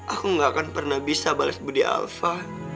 aku gak akan pernah bisa balas budi alva